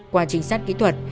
qua trình sát kỹ thuật